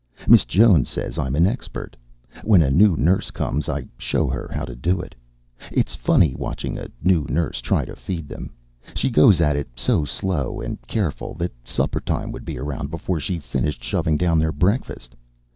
Miss Jones says I'm an expert. When a new nurse comes I show her how to do it. It's funny watching a new nurse try to feed them. She goes at it so slow and careful that supper time would be around before she finished shoving down their breakfast.